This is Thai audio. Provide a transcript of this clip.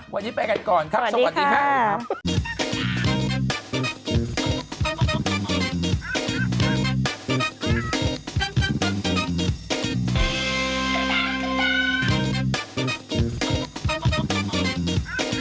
วันนี้ไปกันก่อนครับสวัสดีครับ